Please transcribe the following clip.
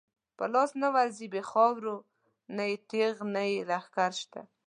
په لاس نه ورځی بی خاورو، نه یې تیغ نه یی لښکر شته